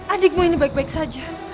adikmu ini baik baik saja